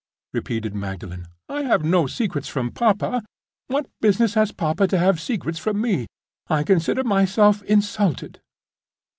repeated Magdalen. "I have no secrets from papa—what business has papa to have secrets from me! I consider myself insulted."